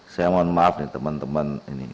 saya mohon maaf nih teman teman ini